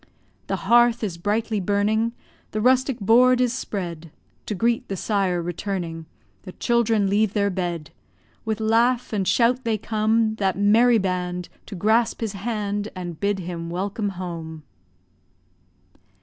The hearth is brightly burning, The rustic board is spread; To greet the sire returning The children leave their bed. With laugh and shout they come That merry band To grasp his hand, And bid him welcome home!